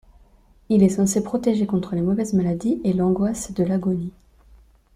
Il est censé protéger contre les mauvaises maladies et l'angoisse de l'agonie.